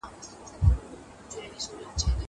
زه اوږده وخت د کتابتون کتابونه لوستل کوم!